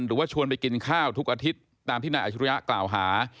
หรือว่าชวนไปกินข้าวทุกอาทิตย์ตามที่นายอาชิริยะกล่าวหา